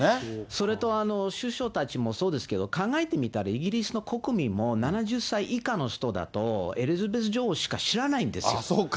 それと首相たちもそうですけど、考えてみたらイギリスの国民も７０歳以下の人だと、エリザベス女王しか知らないんですよ。